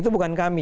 itu bukan kami